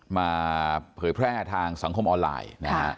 เผยแพร่ทางสังคมออนไลน์นะฮะ